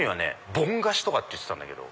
ぼん菓子って言ってたんだけど。